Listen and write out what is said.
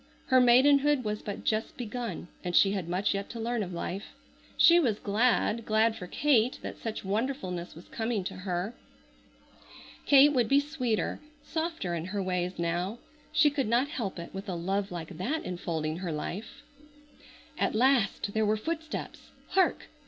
Her maidenhood was but just begun and she had much yet to learn of life. She was glad, glad for Kate that such wonderfulness was coming to her. Kate would be sweeter, softer in her ways now. She could not help it with a love like that enfolding her life. At last there were footsteps! Hark!